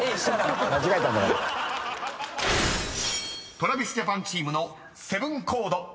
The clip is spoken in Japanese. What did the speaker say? ［ＴｒａｖｉｓＪａｐａｎチームのセブンコード。